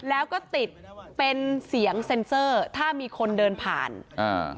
แล้วก็ติดเป็นเสียงเซ็นเซอร์ถ้ามีคนเดินผ่านอ่า